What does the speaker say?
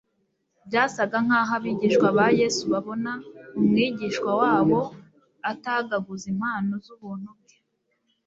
Byasaga nk'aho abigishwa ba Yesu babona Umwigisha wabo atagaguza impano z'ubuntu bwe.